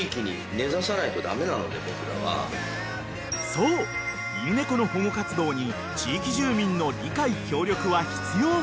［そう犬猫の保護活動に地域住民の理解・協力は必要不可欠］